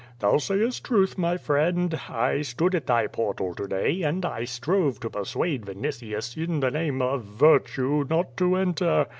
Thou sayest truth, my friend, I stood at thy portal to day, and I strove to persuade Vinitius, in the name of virtue, not to enter.